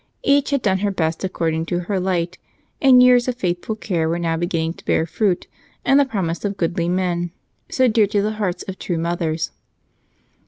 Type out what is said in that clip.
Each had done her best according to her light, and years of faithful care were now beginning to bear fruit in the promise of goodly men, so dear to the hearts of true mothers.